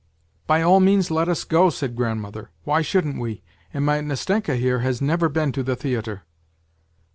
"' By all means let us go,' said grandmother ; why shouldn't we ? And my Nastenka here has never been to the theatre.'